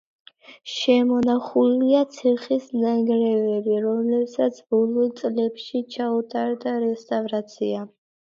შემონახულია ციხის ნანგრევები, რომელსაც ბოლო წლებში ჩაუტარდა რესტავრაცია.